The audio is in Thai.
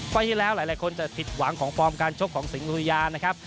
ที่แล้วหลายคนจะผิดหวังของฟอร์มการชกของสิงหุริยานะครับ